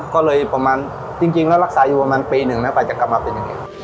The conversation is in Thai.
ก็เลยประมาณจริงแล้วรักษาอยู่ประมาณปีหนึ่งนะไปจะกลับมาปีหนึ่ง